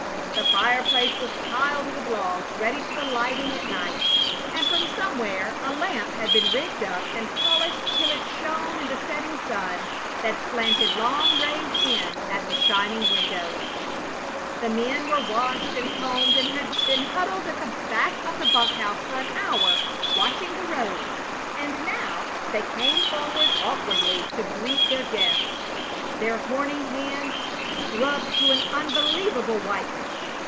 The fireplace was piled with logs ready for the lighting at night, and from somewhere a lamp had been rigged up and polished till it shone in the setting sun that slanted long rays in at the shining windows. The men were washed and combed, and had been huddled at the back of the bunk house for an hour, watching the road, and now they came forward awkwardly to greet their guest, their horny hands scrubbed to an unbelievable whiteness.